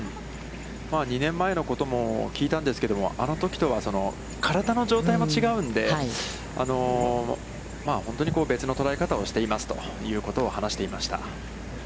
２年前のことも聞いたんですけれども、あのときとは、体の状態も違うんで、本当に別の捉え方をしていますということを話していました。